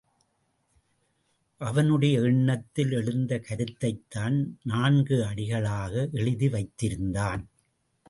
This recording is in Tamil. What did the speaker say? அவனுடைய எண்ணத்தில் எழுந்த கருத்தைத்தான் நான்கு அடிகளாக எழுதி வைத்திருந்தான்.